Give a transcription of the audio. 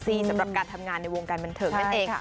สำหรับการทำงานในวงการบันเทิงนั่นเองค่ะ